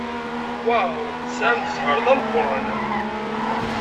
Waw! Tesɛamt zzheṛ d ameqran.